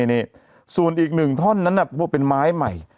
นี่ส่วนอีกหนึ่งท่อนนั้นพวกเป็นไม้ใหม่